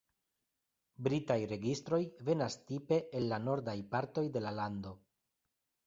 Britaj registroj venas tipe el la nordaj partoj de la lando.